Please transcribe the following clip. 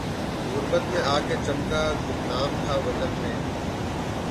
غربت میں آ کے چمکا گمنام تھا وطن میں